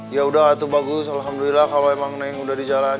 ya udah tuh bagus alhamdulillah kalau emang naik udah di jalan